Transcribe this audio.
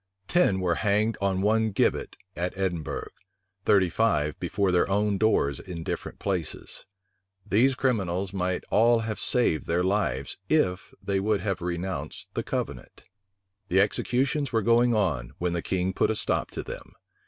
Ten were hanged on one gibbet at Edinburgh; thirty five before their own doors in different places. These criminals might all have saved their lives, if they would have renounced the covenant. The executions were going on, when the king put a stop to them.